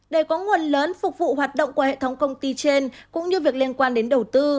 để có nguồn lớn phục vụ hoạt động của hệ thống công ty trên cũng như việc liên quan đến đầu tư